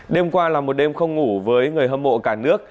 đêm qua là một đêm không ngủ với người hâm mộ cả nước